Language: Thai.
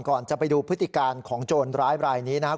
จะไปดูพฤติการของโจรร้ายบรายนี้นะครับ